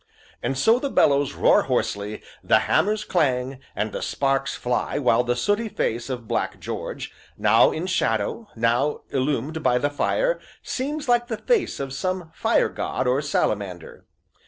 And so the bellows roar hoarsely, the hammers clang, and the sparks fly, while the sooty face of Black George, now in shadow, now illumed by the fire, seems like the face of some Fire god or Salamander.